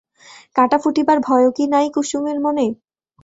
কাঁটা ফুটিবার ভয়ও কি নাই কুসুমের মনে?